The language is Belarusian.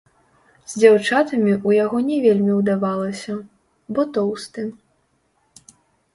З дзяўчатамі ў яго не вельмі ўдавалася, бо тоўсты.